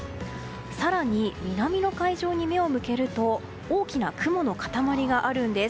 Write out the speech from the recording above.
更に南の海上に目を向けると大きな雲の塊があるんです。